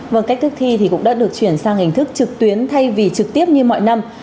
và cách thức thi thì cũng đã được chuyển sang hình thức trực tuyến thay vì trực tiếp như mọi năm